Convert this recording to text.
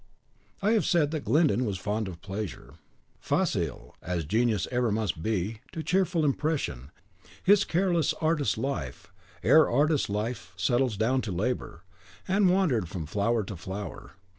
I have said that Glyndon was fond of pleasure. Facile, as genius ever must be, to cheerful impression, his careless artist life, ere artist life settles down to labour, had wandered from flower to flower.